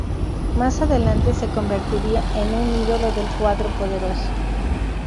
Más adelante se convertiría en un ídolo del cuadro "poderoso".